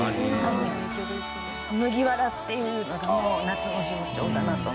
「麦わら」っていうのが夏の象徴だなと思って。